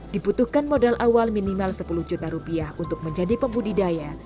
dibutuhkan modal awal minimal sepuluh juta rupiah untuk menjadi pembudidaya